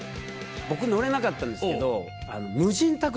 僕乗れなかったんですけど。